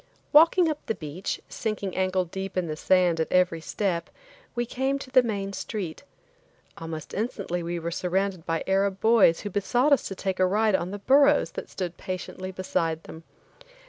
Walking up the beach, sinking ankle deep in the sand at every step, we came to the main street. Almost instantly we were surrounded by Arab boys who besought us to take a ride on the burros that stood patiently beside them.